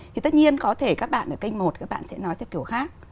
thì tất nhiên có thể các bạn ở kênh một các bạn sẽ nói theo kiểu khác